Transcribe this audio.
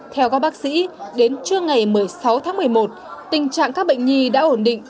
theo các bác sĩ đến trưa ngày một mươi sáu tháng một mươi một tình trạng các bệnh nhi đã ổn định